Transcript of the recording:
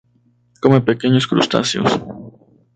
Come pequeños crustáceos.